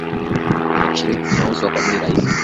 vinakirishi vinauzwa kwa bei rahisi sana